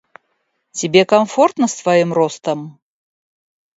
Тебе комфортно с твоим ростом?